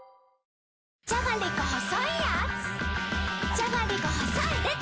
じゃがりこ細いでた‼